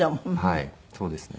はいそうですね。